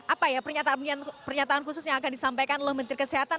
apa ya pernyataan khusus yang akan disampaikan oleh menteri kesehatan